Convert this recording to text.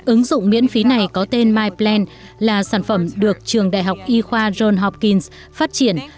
ứng dụng miễn phí này có tên myplan là sản phẩm được trường đại học y khoa john hopkins phát triển